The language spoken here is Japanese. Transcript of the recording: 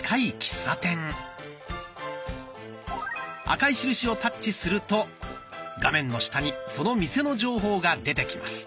赤い印をタッチすると画面の下にその店の情報が出てきます。